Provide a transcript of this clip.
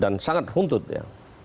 dan sangat runtut ya